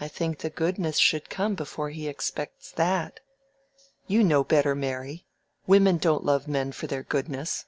"I think the goodness should come before he expects that." "You know better, Mary. Women don't love men for their goodness."